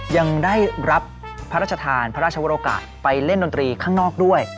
ยังได้รับพระราชทานพระราชวรกะไปเล่นดนตรีข้างนอกด้วย